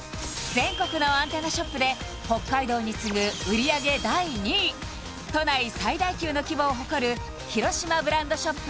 全国のアンテナショップで北海道に次ぐ売り上げ第２位都内最大級の規模を誇るひろしまブランドショップ